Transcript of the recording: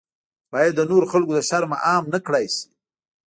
باید د نورو خلکو له شرمه عام نکړای شي.